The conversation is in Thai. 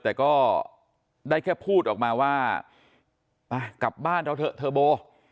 แต่ก็ได้แค่พูดออกมาว่าไปกลับบ้านเราเถอะเธอโบ